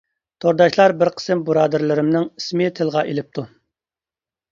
تورداشلار بىر قىسىم بۇرادەرلىرىمنىڭ ئىسمى تىلغا ئېلىپتۇ.